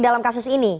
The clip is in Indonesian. dalam kasus ini